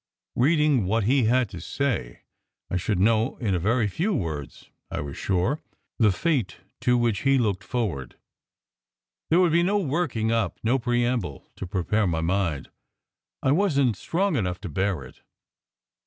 Reading what he had to say, I should know in a very few words, I was sure, the fate to which he looked forward. There would be no working up, no preamble, to prepare my mind. I wasn t strong enough to bear it.